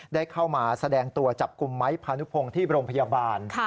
ได้เข้ามาแสดงตัวจับกลุ่มไม้พานุพงศ์ที่โรงพยาบาล